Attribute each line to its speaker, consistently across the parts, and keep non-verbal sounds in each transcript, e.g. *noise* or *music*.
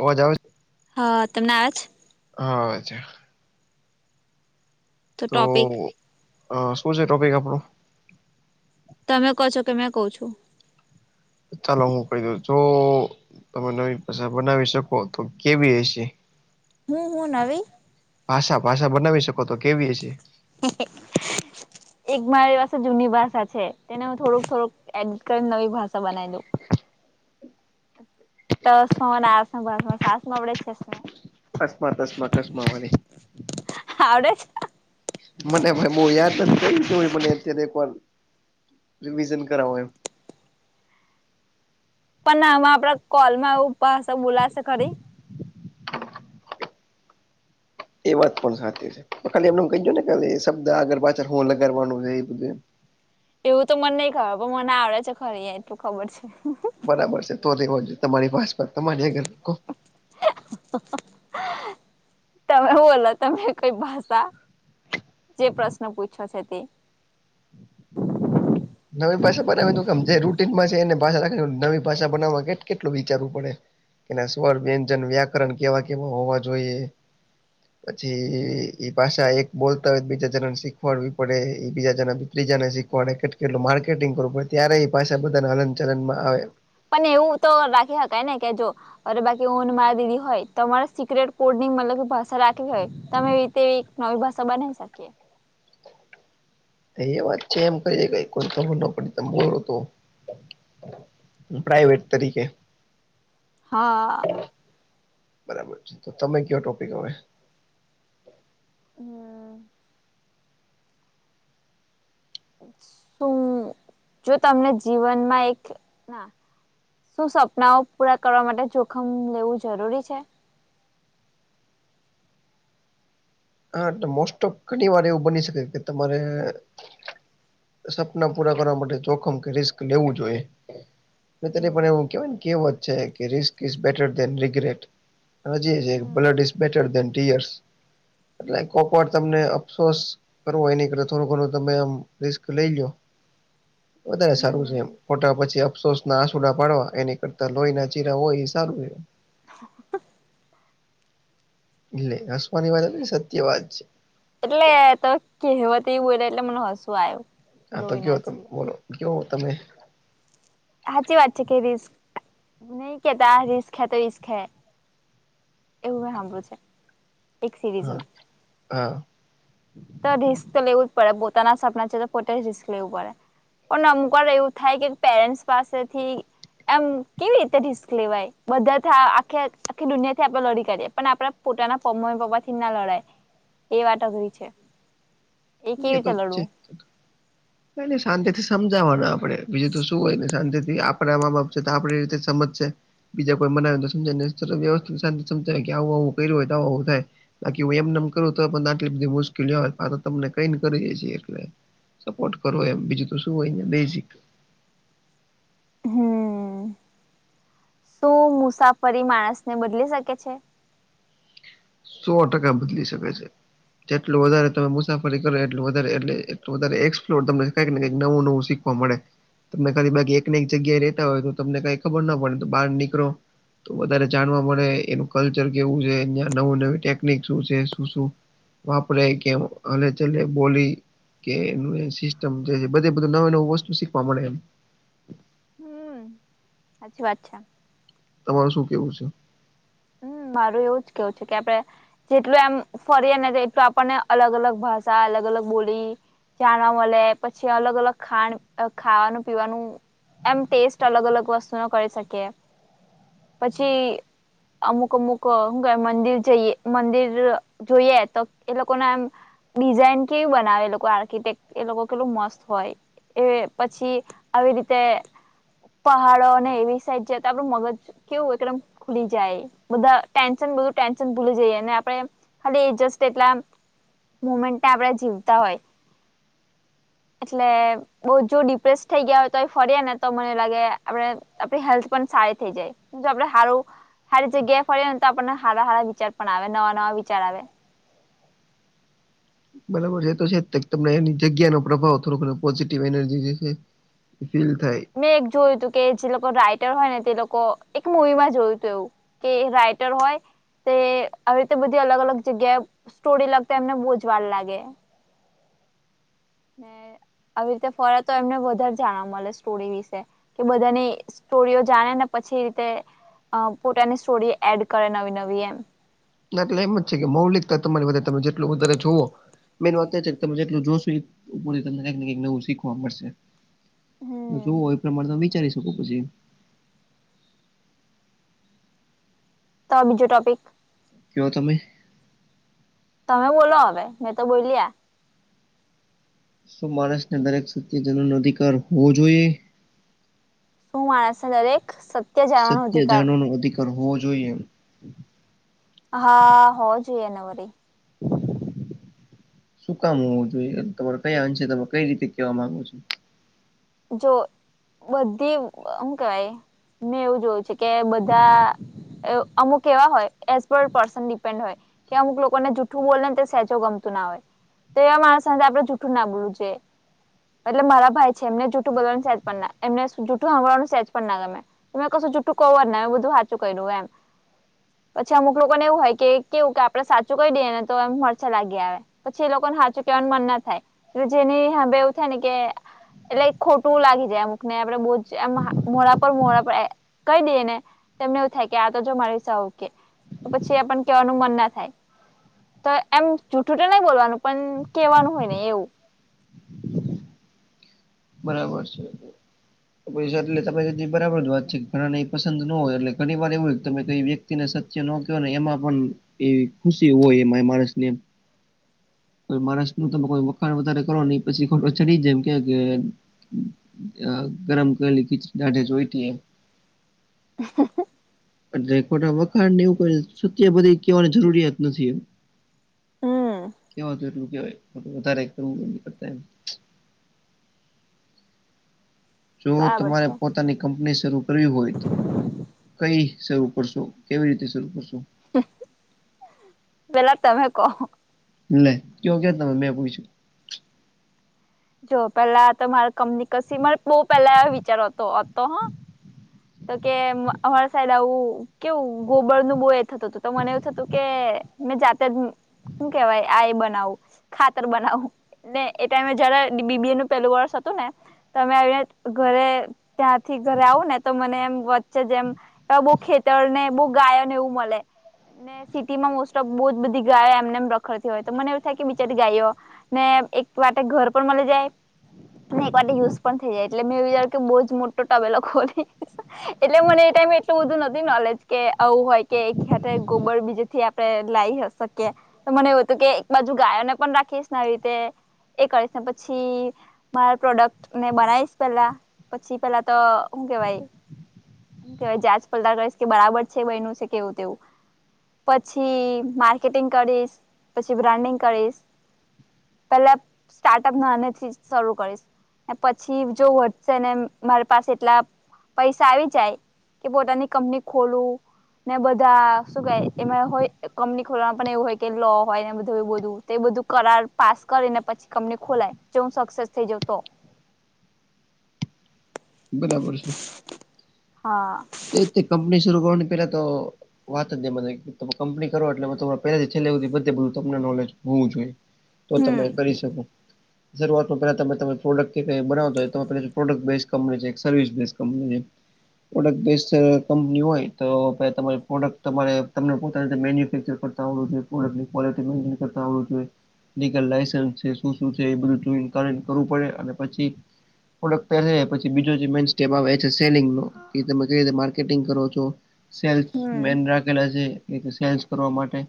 Speaker 1: અવાજ આવે છે?
Speaker 2: હા, તમને આવે છે.
Speaker 1: હા, અચ્છા. તો શું છે ટોપિક આપણું?
Speaker 2: તમે કહો છો? કે મે કો છો?
Speaker 1: ચાલો, હું કહી દઉ જો. તમે નવી ભષા બનાવી શકો, તો કેવી હશે.
Speaker 2: હું, હું નવી.
Speaker 1: ભાષા ભાષા બનાવી શકો તો, કેવી હ છે.
Speaker 2: હ *unintelligible* એક મારી પાસે જૂની ભાષા છે, તેને હું થોડુંક થોડુંક એડટ કરી, નવી ભાષા બનાવી દઉં. તો સનેસમાં સાસ માંડે છે.
Speaker 1: અસ્માત અસ્માત કસ્મા વારી *unintelligible*
Speaker 2: આવડે છે.
Speaker 1: મને ભ બહુ યાદ નથી, થું હો મને અત્યારે એક વાર રિવિઝન કરાવે એ.
Speaker 2: પણ ના આમાં આપડે કોલેજમાં એવું, બોલાશે ખરી.
Speaker 1: એ વાત પણ સાચી છે, ખાલી એમ કહીજ ને, ખા શબ્દ આગળ પાછળ હું લગાવાનું છે, એ બધું
Speaker 2: એવું તો મને નહીં ખબર પણ મને આવડે છે, ખરી અ એટલું ખબર છે.
Speaker 1: બરાબર છે, તો રહેેવા જોઈએ, તમારી પર તમારી યા ઘર.
Speaker 2: *unintelligible* તમે બોલો તમે કઈ ભાષા જે પ્રશ્ન પૂછો છો તે?
Speaker 1: નવી ભાષા બનાવી, કેમ જે રૂટીનમાં છે, એનો નવી ભાષા બનાવવા કે, કેટલું વિચારવું પડે. કેના સ્વર વ્યંજન વ્યાકરણ કેવા કેવા હોવા જોઈએ? પછી ભાષા એક બોલતા હોય, બીજા જણાને શીખવાડવી પડે એ, બીજા જણા. ત્રીજાને શીખવાડે કેટ કેટલું માર્કેટિંગ કરવું પડે, ત્યારે એ પાછા બધાને હલન-ચલનમાં આવે.
Speaker 2: પણ એવું તો રાખી શકાય ને, કે જો અરે બાકી ઓન મારા દીદી હોય, તમારે સિક્રેટ પોડ મતલબ ભાષા રાખવી હોય. તમેવી રીતેવી નવી ભાષા બનાવી શકીએ.
Speaker 1: એ વાત છે, એમ ક કોઈ ખબર ના પડી ત બો તો. *unintelligible* પ્રાઈવેટ તરીકે.
Speaker 2: હા.
Speaker 1: બરાબર છે તો તમે કયો ટોપિક હવે?
Speaker 2: હમ. શું જો તમને જીવનમાં એક ના શું સપનાઓ પૂરા કરવા માટે જોખમ લેવું જરૂરી છે?
Speaker 1: હા એટલે મોસ્ટ ઓફ ઘણી વાર એવું બની શકે કે તમારે સપના પૂરા કરવા માટે જોખમ કે રિસ્ક લેવું જોઈએ. ત
Speaker 2: હમ
Speaker 1: પણ એવું કેવાય કેવત છે કે રસ્ બેટર રગટ. જી
Speaker 2: હમ
Speaker 1: ઇટ એટલે કોક વાર તમને અફસોસ કરવો એની કર થોડું ઘણું તમે આમ રિસ્ક લઈ લો, વધારે સારું છે એમ.
Speaker 2: હમ
Speaker 1: ફોટા પછી અફસોસ ના આસુડા પાડવા એની કરતા લોહી ના ચીરા હોય એ સારું હો. એટલે હસવાની વાત સત્ય વાત છે.
Speaker 2: એટલે તો કવતી એ એટલે મને હસું આવ્યું.
Speaker 1: હા તો
Speaker 2: લોહી
Speaker 1: કયો
Speaker 2: ના
Speaker 1: તમે
Speaker 2: ચીરે
Speaker 1: બોલો કયો તમે.
Speaker 2: સાચી વાત છે કે રિસ્ક નહી કેતા રિસ્ક હૈ તો રિસ્ક હૈ. એવું હમરું છે. એક
Speaker 1: હા
Speaker 2: સિરીઝમાં
Speaker 1: હા.
Speaker 2: તો રિસ્ક તો લેવું જ પડે પોતાના સપના છે તો પોતે જ રિસ્ક લેવું પડે. પણ અમુક એવું થાય કે પેરેન્ટ્સ પાસેથી એમ કેવી રીતે રિસ્ક લેવાય બધા આખ આખી દુનિયા થી આપડે લડી કરીએ પણ આપડ પોતાના પમ્મ પપ્પા થી ના લડાય, એ વાત અઘરી છે. કેવી
Speaker 1: એ તો
Speaker 2: રીતે લડવું
Speaker 1: છેને શાંતિ થી સમજાવાનું. આપે બીજું તો શું હોય ને શાંતિથી આપણા આમા બાપ છે તો આપડી રીતે સમજશે. બીજા કોઈ મનાવે તો સમજ વવસ્થ શાંતિ સમજાય આવું આવું કર્યું હોય તો આવ આવું થાય. બાકી હો એમ નમક હતો પણ દાખલી બધ મુશ્કેલીય તમને કઈને કરીએે, એટલે સપોર્ટ કરવો એમ બીજું તો શું હોય દ
Speaker 2: હમ, શું મુસાફરી માણસ ને બદલી શકે છે?
Speaker 1: સો ટકા બદલી શકે છે. જેટલું વધારે તમે મુસાફરી કરો એટલું વધારે એટલે એટલું વધારે એક્સપ્લોર ત કક કક નવું નવું શી મળે, તમને ખાલી બાકી એકને એક જગ્યાએ રેતા હોય તો તમને કઈ ખબર ના પડે તો બહાર નીકળો. તો વધારે જાણવા મળે એનું કલ્ચર કેવું છે અં નવું નવી ટેકનિક શું છે શું શું વાપરે કે હ ચલે બોલી કે એ સિસ્ટમ જે બધ બધું નવી નવું વસ્તુ શીખવા મળે એમ.
Speaker 2: હમ સાછી વાત છે.
Speaker 1: તમાર શું કેવું છે?
Speaker 2: હમ મારું એવું જ કેવું છે કે આપડે જેટલું એમ ફરીએ ને એટલું આપણને અલગ અલગ ભાષા અલગ અલગ બોલી. જાણવા મળે પછી અલગ અલગ ખાણ ખાવાનું પીવાનું એમ ટેસ્ટ અલગ અલગ વસ્તુ ન કરી શકીએ, પછી અમુક અમુક શું મંદિર જઈએ મંદિર જોઈએ તો એ લોકોને એમ ડિઝાઇન કેવીું બનાવે એ લોકો આર્કિટેક્ટ એ લોકો કેટલું મસ્ત હોય. એ પછી, આવી રીતે પહાડો અનેને એવી સાઈડ જાય તો આપડું મગજ કેવું એકદમ ખુલી જાય. બધ ટેન્શન બું ટેન્શન ભૂલી જઈએ આપે ખાલી જ એટલા મુમેન્ટને આપડે જીવતા હોય. એટલે બઉ જો ડિપ્રેસ થઈ ગયા હોય તો ફર્યા ને તો મને લાગે આપણે આપણી હેલ્થ પણ સારી થઈ જાય. જો આપડે સારું સારી જગ્યાએ ફરીએ ને તો આપણને સારા સારા વિચાર પણ આવે નવા નવા વિચાર આવે.
Speaker 1: બરાબર છે તો છે તમને એની જગ્યા નો પ્રભાવ થોડોકો પોઝિટિવ એનર્જી જે છે. ફીલ થાય.
Speaker 2: મેં એક જોયું હતું કે જે લોકો રાઈટર હોય ને તે લોકો એક મવી માં જોયું હતું એવું કે રાઈટર હોય તે આવી રીતે બધી અલગ અલગ જગ્યાએ સ્ટોરી લગતા એમને બોજ વાર લાગે ને આવી રીતે ફરે તો એમને વધારે જાણવા મળે સ્ટોરી વિશે કે બધાની સ્ટોરીઓ જાણે ને પછી રીતે અ પોતાની સ્ટોરી એડ કરે નવી નવી એમ
Speaker 1: ના એટલે એમ જ છે કે મૌલિકતા તમારી વધારે તમે જેટલું વધારે જુવો મેન વાત તો એ છે કે તમે જેટલું જોશ તમને કંઈક ને કઈક નવું શીખવા મળશે
Speaker 2: હમ
Speaker 1: જોવું એ પ્રમાણે તમે વિચારી શકો પછી
Speaker 2: તો બીજો ટોપિક
Speaker 1: કેવો તમે
Speaker 2: તમે બોલો હવે મેં તો બોયલી આ
Speaker 1: શું માણસને દરેક સત્યજનોનો અધિકાર હોવો જોઈએ
Speaker 2: શું માણસને દરેક સત્ય જાણવાનો અધિકાર
Speaker 1: પરવો જોઈએ
Speaker 2: હા હોવો જોઈએ ને વરી
Speaker 1: *inaudible* શું કામ હોવું જોઈએ તમારે કયા અંશે તમામે કઈ રીતે કેવા માંગો છો
Speaker 2: જો બધી એમ કેવાય મેં એવું જોયું છે કે બધા અમુક એવા હોય એઝ પર પર્સન ડિપેન્ડ હોય કે અમુક લોકોને જૂઠું બોલેને તે સેચો ગમતું ના હોય તો એવા માણસ સાથે આપડે જુઠું ના બોલવું જોયે એટલે મારા ભાઈ છે એમને જૂઠું બોલવાનું સેજ પણ ના એમને જૂઠું હાંભળવાનું સેજ પણ ના ગમે તમે કશું જુઠું કવો ને બધું વાચું કર્યું એમ પછી અમુક લોકોને એવું હોય કે કેવું કે આપડે સાચું કહી દઈએ ને તો એ મરચા લાગી આવે પછી એ લોકોને હાંચું કેવાનું મન ના થાય એલે જેની હામ્બે એવું થાય ને કે એટલે ખોટું લાગી જાય અમુક ને આપડે બહુ જમ મોડા પર મોડા પર કહી દઈએ ને તને એવું થાય કે આ તો જો મારી સવ કે પછી એ પણ કેવાનું મન ના થાય તો એમ જુઠુંતો ના બોલવાનું પણ કેવાનું હોય ને એવું
Speaker 1: બરાબર છે *unintelligible* એટલે તમે બરાબર જ વાત છે કે ઘણા ને એ પસંદ ન હોય એલે ઘણી વાર એવું હોય તમેં કઈ વ્યક તી ને સત્ય ન કેવો ને એમાં પણ એવી ખુશી હોય એમાં માણસને કોઈ માણસનું તમે કોઈ વખાણ વધારે કરો ની પછી ખોટો ચડી જાય કેમ કે અ ગરમ કરેલી ખીચડી દાઢે જોઈતી
Speaker 2: *inaudible*
Speaker 1: એટલે ખોટા વખાણ ને એવું કોઈ સત્ય બધી કેવાની જરૂરિયાત નથી એમ
Speaker 2: હમ
Speaker 1: કેવાય તેટલું કેવાય વધારે કરવું કરતા એમ જો
Speaker 2: બરાબર
Speaker 1: તમારે
Speaker 2: છે
Speaker 1: પોતાની કંપની શરૂ કરવી હોય તો કઈ શરૂ કરશો કેવી રીતે શરૂ કરશો
Speaker 2: પેલા તમે કહો
Speaker 1: લે કયો કે તમે મેં પૂઇછું
Speaker 2: જો પેલા તો મારે કમની કસી મારે બો પેલા વિચારતો હતો હા ત કે અમારે સાઈડ આવું કેવું ગોબર નું બો એ થતું હતું તો મને એવું થતું કે મેં જાતે જ હું કેવાય આઈ બનાવું ખાતર બનાવું ને એ ટાઈમે જરા બી બી એ નું પેલું વર્ષ હતું ને તમે આવીને ઘરે ત્યાંથી ઘરે આવુંને તો મને એમ વચ્ચે જ એમ ત્યાં બો ખેતર ને બો ગાયો ને એવું મલે ને સિટી માં મોસ્ટ ઓફ બહુ જ બધી ગાય એમને એમ રખડતી હોય તો મને એવું થાય કે બિચાર ગાયો ને એક વાતે ઘર પણ મળી જાય ને એક વા યુઝ પણ થઈ જાય એટલે મે એ વિ કે બહુ જ મોટો ટબેલો ખોલી એટલે મને એ ટાઈમે એટલું બધું નથી નોલેજ કે આવું હોય કે એક ખ્યા ગોબર બીજે થી આપણે લાવ શકીએ તો મને એવું હતું કે એક બાજુ ગાયોને પણ રાખીશ ને આવી રીતે એ કરીશ ને પછી મારા પ્રોડક્ટ ને બનાવીશ પેલા પછી પેલા તો હું કેવાય શું કેહેવાય જાચ પાડતાલ કરીશ કે બરાબર છે બનું છે કેવું તેવું પછી માર્કેટિંગ કરીશ પછી બ્રાન્ડિંગ કરીશ પેલા સ્ટાર્ટઅપ નાની થી શરૂ કરીશ પછી જો વધશે ને મારી પાસે એટલા પૈસા આવી જાય કે પોતાની કંપની ખોલવું ને બધા શું કે એમાં હોય કંપની ખોલવાનું પણ એવું હોય કે લો હોય ને બધું એવું બધું એ બધું કરાર પાસ કરીને પછી કંપની ખોલાય જો હું સક્સેસ થઈ જઉ તો
Speaker 1: બરાબર છે.
Speaker 2: હા
Speaker 1: એજ તો કંપની શરૂ કરવાની પેલા તો વાત જ મને તમે કંપની કરો એટલે પેલાથી છેલ્લે સુધી બધે બધું તમને નોલેજ હોવું જોઈએ. તો તમે
Speaker 2: હમ
Speaker 1: કરી શકો. શરૂઆતમાં પેલા તમે તમે પ્રોડક્ટ કે બનાવતા હોય તો આપણે પ્રોડક્ટ બેઝ કંપની છે એક સર્વિસ બેઝ કંપની છે. બેસ્ટ કંપની હોય તો પે તમારી પ્રોડક્ટ તમારે તમને પોતાની રીમેન્યુફેક્ચર કરતાં આવડવું જોઈએ. *unintelligible* આવડવું જોઇએ. લીગલ લાઇસન્સ છે શું શું છે એ બધું જોઈને બધું કરવું પડે અને પછી પ્રોડક્ટ લે પછી બીજો જે મેન સ્ટેપ આવે છે સેલિંગનો એ તમે ક માર્કેટિંગ કરો છો સેલ્સ
Speaker 2: હમ
Speaker 1: મેન રાખેલા છે એ તો સેલ્સ કરવા માટે.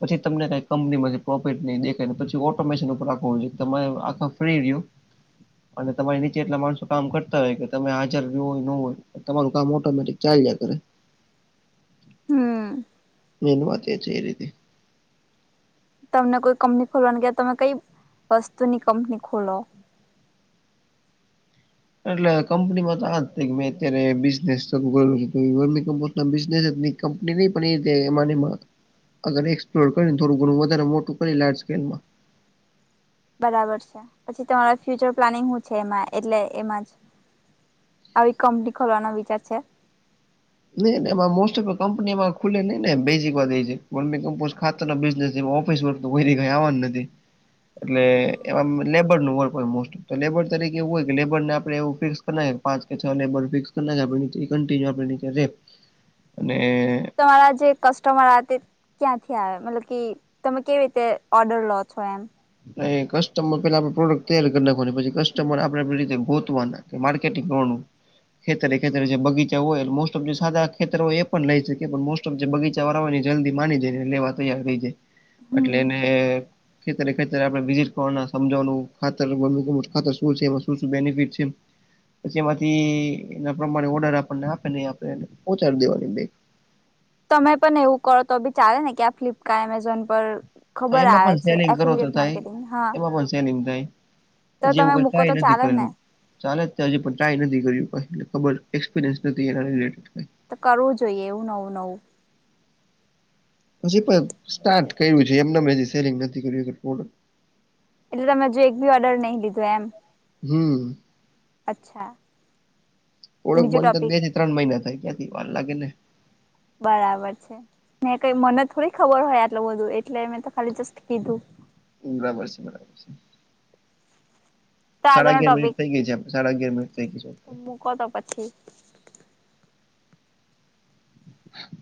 Speaker 1: પછી તમને કઈ કંપનીમાંથી પ્રોફિટને ઈ દેખાય ને પછી ઓટોમેશન ઉપર રાખવાનું છે તમારે આખા ફ્રી રહ્યું અને તમારી નીચે એટલા માણસો કામ કરતા હોય કે તમે હાજર રહ્યો ન હોય. તો તમારું કામ ઓટોમેટિક ચાલયા કરે.
Speaker 2: હમ.
Speaker 1: મેન વાત એ છે એ રીતે
Speaker 2: તમને કોઈ કંપની ખોલવાની કેય તો તમે કઈ વસ્તુની કંપની ખોલો?
Speaker 1: એટલે કંપનીમાં તો આ જ તે કે મે અત્યારે બિઝનેસ શરૂ કર્યો છે તો ઈ *inaudible* બિઝનેસ જ નહીં કંપની નહી પણ એમાં ને એમાં અગર એક્સપ્લોર કરીને થોડું ઘણું વધારે મોટું કરી લાર્જ સ્કેલમાં
Speaker 2: બરાબર છે. પછી તમારા ફ્યુચર પ્લાનિંગ હું છે એમાં એટલે એમાં જ આવી કંપની ખોલવાનો વિચાર છે?
Speaker 1: નહીં ને એમાં મોસ્ટ ઓફ કંપની એમાં ખુલે નઈ ને બેઝિક વાત એ છે વર્મી કેમ્પોસ ખાત તરના બિઝનેસ એમાં ઓફિસ વર્ક તો કોઈ દી કાઈ આવવાના નથી. એટલે
Speaker 2: હમ
Speaker 1: એમાં લેબરનું વર્ક હોય મોસ્ટ તો લેબર તરીકે એવું હોય કે લેબરને આપડે એવું ફિક્સ કર નાયખા કે પાંચ કે છ લેબર ફિક્સ કર નાયખા પછી કન્ટિન્યુ આપણને એટલે અને
Speaker 2: તમારા જે કસ્ટમર આવે તે ક્યાંથી આવે મતલબ કે તમે કેવી રીતે ઓર્ડર લો છો એમ?
Speaker 1: એ કસ્ટમર પેલા આપણે પ્રોડક્ટ તૈયારી કરી નાખવાની. પછી કસ્ટમર
Speaker 2: હમ
Speaker 1: આપણે આપણી રીતે ગોતવાના. માર્કેટિંગ કરવાનું. ખેતરે ખેતરે
Speaker 2: હમ.
Speaker 1: જે બગીચા હોય એટલે મોસ્ટ ઓફ સારા ખેતર હોય એ પણ લઈ શકે પણ મોસ્ટ ઓફ જે બગીચાવાળા હો ને જલ્દી માની જાયને લેવા તૈયાર થઈ જાય. એટલે
Speaker 2: હમ
Speaker 1: એને ખેતરે ખેતરે આપણે વિઝિટ કરવા સમજાવાનું ખાતર અમુક અમુક ખાતર શું છે એ વસ્તુથી શું બેનિફિટ છે. પછી એમાંથી એના પ્રમાણે ઓર્ડર આપણને આપે ને આપણે પહોંચાડી દેવાની બેગ.
Speaker 2: તમે પણ એવું કરો તો બી ચાલે ને કે આ ફ્લિપકાર્ટ, એમેઝોન પર ખબર
Speaker 1: એમાં
Speaker 2: આવે
Speaker 1: પણ
Speaker 2: છે
Speaker 1: સેલિંગ કરો તો
Speaker 2: એફિલિટ
Speaker 1: થાય
Speaker 2: માર્કેટિંગ હા
Speaker 1: *inaudible* હજી એવું
Speaker 2: તો તમે
Speaker 1: કાઈ
Speaker 2: મૂકો તો
Speaker 1: ટ્રાય નથી
Speaker 2: ચાલે
Speaker 1: કરેલું.
Speaker 2: ને.
Speaker 1: ચાલે ત્યાં હજી પણ ટ્રાય નથી કર્યું કઈ ખબર એક્સપિરિયન્સ નથી એના રિલેટેડ કઈ
Speaker 2: તો કરવું જોઈએ એવું નવું નવુ
Speaker 1: પછી પણ સ્ટાર્ટ કર્યું છે એમ ને એમ સેલિંગ નથી કર્યુ
Speaker 2: એટલે તમે જો એક બી ઓર્ડર નહીં લીધો એમ
Speaker 1: હમ
Speaker 2: અચ્છા.
Speaker 1: ઓળખ
Speaker 2: બીજો
Speaker 1: બન કર દે
Speaker 2: ટોપિક
Speaker 1: જે તો ત્રણ મહિના થાય ક્યાંથી વાર લાગે ને
Speaker 2: બરાબર છે ને, કઈ મને થોડી ખબર હોય, આટલું બધું એટલે મેં તો ખાલી જસ્ટ કીધું.
Speaker 1: બરાબર છે બરાબર છે.
Speaker 2: તો
Speaker 1: સાડા
Speaker 2: આગળનો
Speaker 1: અગિયાર મિનિટ
Speaker 2: ટોપિક
Speaker 1: થઈ ગઈ છે આપ સાડા અગિયાર મિનિટ થઈ ગઈ છે.
Speaker 2: કતો પછી
Speaker 1: *unintelligible*